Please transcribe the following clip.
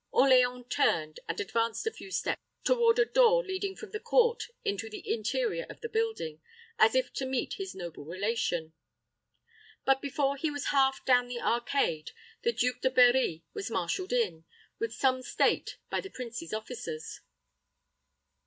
Orleans turned, and advanced a few steps toward a door leading from the court into the interior of the building, as if to meet his noble relation. But before he was half down the arcade, the Duke de Berri was marshaled in, with some state, by the prince's officers.